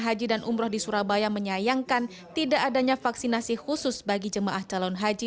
haji dan umroh di surabaya menyayangkan tidak adanya vaksinasi khusus bagi jemaah calon haji